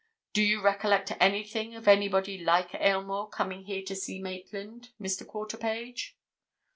Do you recollect anything of anybody like Aylmore coming here to see Maitland, Mr. Quarterpage?"